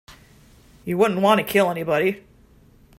You wouldn't want to kill anybody.